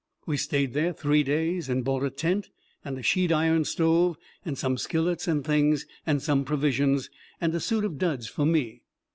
We stayed there three days and bought a tent and a sheet iron stove and some skillets and things and some provisions, and a suit of duds for me.